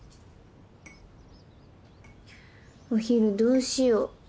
お昼どうしよう。